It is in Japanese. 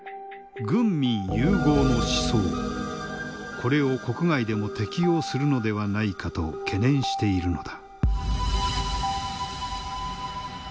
これを国外でも適用するのではないかと懸念しているのだ。